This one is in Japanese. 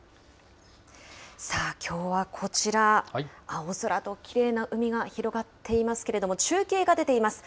さあ、きょうはこちら、青空ときれいな海が広がっていますけれども、中継が出ています。